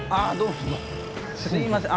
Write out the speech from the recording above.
すいません。